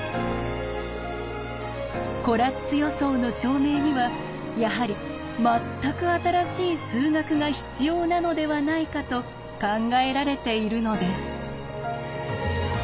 コラッツ予想の証明にはやはり全く新しい数学が必要なのではないかと考えられているのです。